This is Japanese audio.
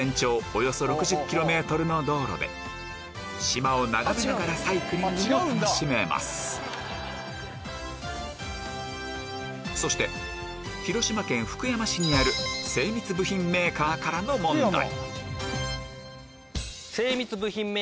およそ ６０ｋｍ の道路で島を眺めながらサイクリングも楽しめますそして広島県福山市にある精密部品メーカーからの問題